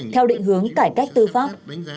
theo định hướng cải cách tư pháp